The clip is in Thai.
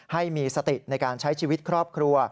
ให้มีสติในการใช้ชีวิตครอบครัว